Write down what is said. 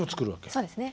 そうですね。